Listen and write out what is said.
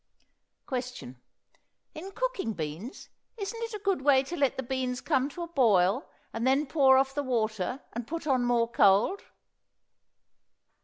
Question. In cooking beans isn't it a good way to let the beans come to a boil and then pour off the water and put on more cold?